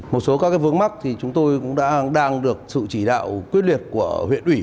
một số các vướng mắt thì chúng tôi cũng đang được sự chỉ đạo quyết liệt của huyện ủy